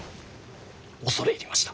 恐れ入りました。